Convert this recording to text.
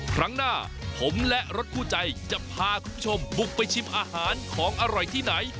ครั้งหน้าผมและรถคู่ใจจะพาคุณผู้ชมบุกไปชิมอาหารของอร่อยที่ไหน